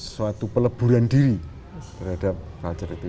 suatu peleburan diri terhadap culture itu